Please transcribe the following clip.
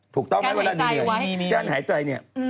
ถูกต้องไหมว่านี่การหายใจ